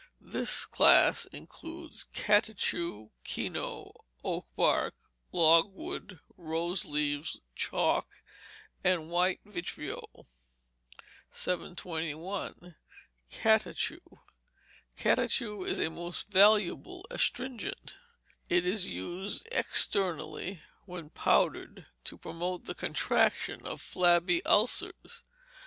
This class includes catechu, kino, oak bark, log wood, rose leaves, chalk, and white vitriol. 721. Catechu Catechu is a most valuable astringent. It is used externally, when powdered, to promote the contraction of flabby ulcers.